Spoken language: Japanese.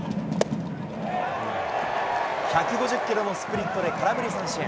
１５０キロのスプリットで空振り三振。